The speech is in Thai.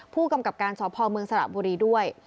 ผู้กำกับการสพเมืองสระบุรีด้วย